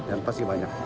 dan pasti banyak